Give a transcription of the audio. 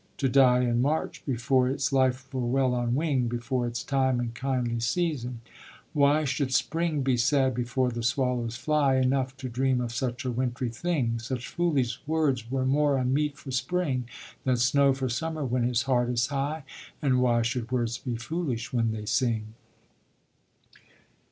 To die In March before its life were well on wing, Before its time and kindly season why Should spring be sad before the swallows fly Enough to dream of such a wintry thing? Such foolish words were more unmeet for spring Than snow for summer when his heart is high: And why should words be foolish when they sing?